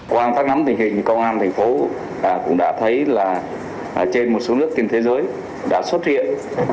công an phát nắm tình hình công an thành phố cũng đã thấy là trên một số nước trên thế giới đã xuất hiện